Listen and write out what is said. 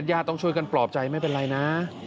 ญาติต้องช่วยกันปลอบใจไม่เป็นไรนะ